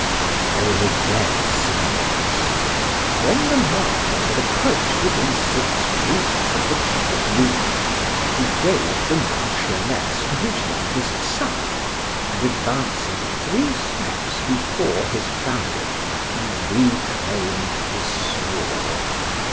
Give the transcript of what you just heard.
— —There was a dead silence. When the Marquis had approached within six paces of the tribunal, he gave the Marchioness to his youngest son, and advancing three steps before his family,—he reclaim'd his sword.